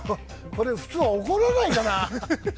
これは普通怒らないかな。